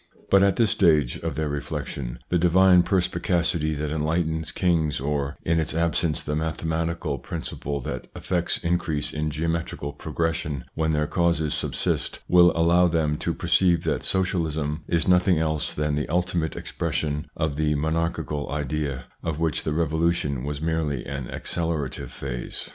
But at this stage of their reflection, die divine perspicacity that enlightens kings, or, in its absence, the mathe matical principle that effects increase in geometrical progression when their causes subsist, win allow them to perceive that Socialism is nothing else than the ultimate expression of the monarchial idea, of which die Revolution was merely an accelerati ve phase.